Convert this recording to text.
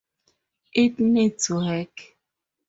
It needs work.